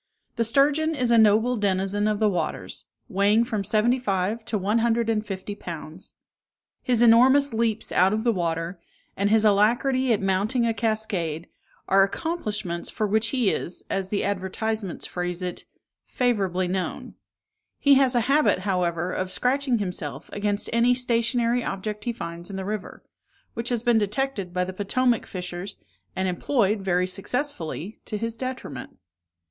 The sturgeon is a noble denizen of the waters, weighing from seventy five to one hundred and fifty pounds. His enormous leaps out of the water, and his alacrity at mounting a cascade, are accomplishments for which he is, as the advertisements phrase it, "favourably known." He has a habit, however, of scratching himself against any stationary object he finds in the river, which has been detected by the Potomac fishers, and employed, very successfully, to his detriment.